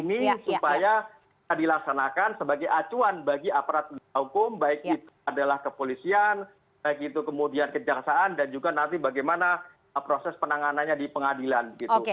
ini supaya dilaksanakan sebagai acuan bagi aparat hukum baik itu adalah kepolisian baik itu kemudian kejaksaan dan juga nanti bagaimana proses penanganannya di pengadilan